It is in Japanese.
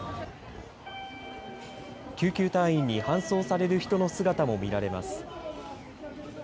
救急隊員に搬送される人の姿も見られます。